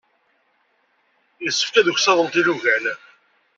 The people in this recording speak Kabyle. Yessefk ad uksaḍent ilugan.